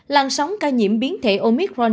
làn sóng ca nhiễm biến thể omicron